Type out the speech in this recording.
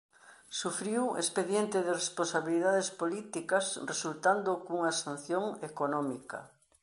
Sufriu expediente de responsabilidades políticas resultando cunha sanción económica.